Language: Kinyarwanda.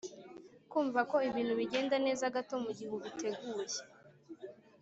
kumva ko ibintu bigenda neza gato mugihe ubiteguye